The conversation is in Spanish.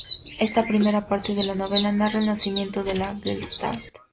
Esta primera parte de la novela, narra el nacimiento de la "Gestalt".